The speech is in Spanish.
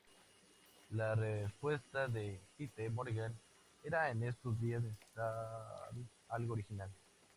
La respuesta de Hite Morgan era "en estos días necesitan algo original.